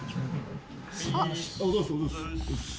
おはようございます。